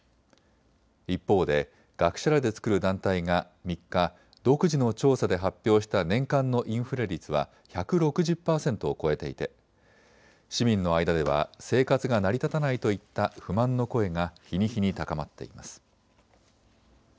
一方で学者らで作る団体が３日、独自の調査で発表した年間のインフレ率は１６０％を超えていて市民の間では生活が成り立たないといった不満の声が日に日に高まっています。